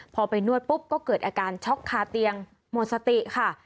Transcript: พอไปนวดปุ๊บก็เกิดอาการช็อกคาเตียงหมดสติค่ะ